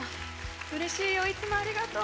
うれしいよいつもありがとう。